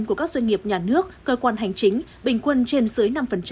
của các doanh nghiệp nhà nước cơ quan hành chính bình quân trên dưới năm